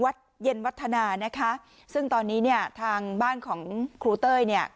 เย็นวัฒนานะคะซึ่งตอนนี้เนี่ยทางบ้านของครูเต้ยเนี่ย